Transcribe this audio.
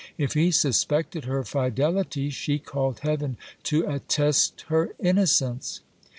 If he suspected her fidelity, she called heaven to attest her innocence.